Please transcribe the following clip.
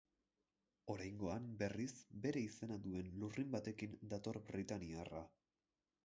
Oraingoan, berriz, bere izena duen lurrin batekin dator britainiarra.